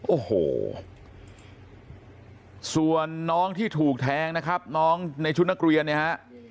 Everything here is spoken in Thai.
โอ้โหส่วนน้องที่ถูกแทงนะครับน้องในชุดนักเรียนเนี่ยฮะ